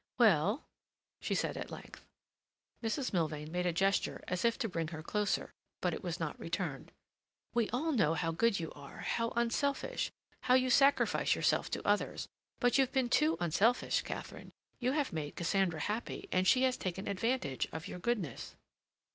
"Well?" she said at length. Mrs. Milvain made a gesture as if to bring her closer, but it was not returned. "We all know how good you are—how unselfish—how you sacrifice yourself to others. But you've been too unselfish, Katharine. You have made Cassandra happy, and she has taken advantage of your goodness."